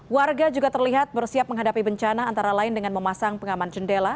warga juga terlihat bersiap menghadapi bencana antara lain dengan memasang pengaman jendela